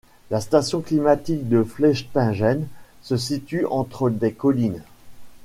La station climatique de Flechtingen se situe entre des collines.